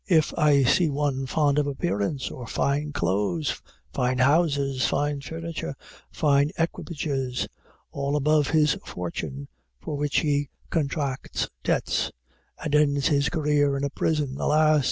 If I see one fond of appearance, or fine clothes, fine houses, fine furniture, fine equipages, all above his fortune, for which he contracts debts, and ends his career in a prison, _Alas!